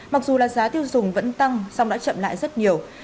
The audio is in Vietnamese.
mặc dù là giá tiêu dùng vẫn tăng song đã chậm lại rất nhiều